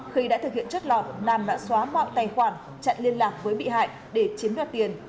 khi đã thực hiện chất lọt nam đã xóa mọi tài khoản chặn liên lạc với bị hại để chiếm đoạt tiền